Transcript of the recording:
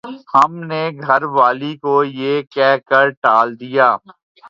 ہم نے گھر والی کو یہ کہہ کر ٹال دیا